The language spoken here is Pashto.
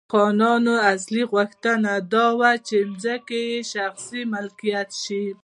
خانانو اصلي غوښتنه دا وه چې ځمکې یې شخصي ملکیت شي.